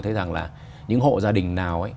thấy rằng là những hộ gia đình nào